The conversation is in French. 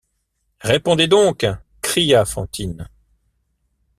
Répondez donc! cria Fantine.